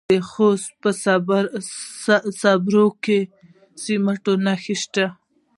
د خوست په صبریو کې د سمنټو مواد شته.